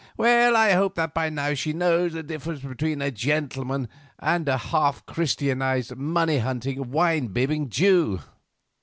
Well, I hope that by now she knows the difference between a gentleman and a half Christianised, money hunting, wine bibbing Jew.